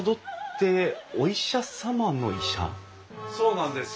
そうなんです。